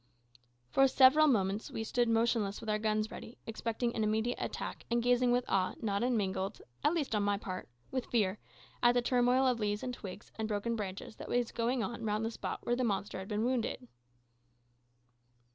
For several moments we stood motionless with our guns ready, expecting an immediate attack, and gazing with awe, not unmingled at least on my part with fear, at the turmoil of leaves and twigs and broken branches that was going on round the spot where the monster had been wounded.